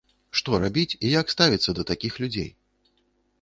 Што рабіць і як ставіцца да такіх людзей?